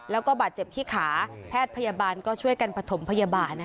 แล้วก็บาดเจ็บที่ขาแพทย์พยาบาลก็ช่วยกันประถมพยาบาล